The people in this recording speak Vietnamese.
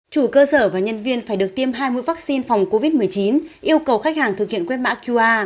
chủ cơ sở và nhân viên phải được tiêm hai mươi vaccine phòng covid một mươi chín yêu cầu khách hàng thực hiện quét mã qr